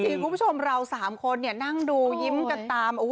มีคุณผู้ชมเรา๓คนนั่งดูยิ้มกันตาม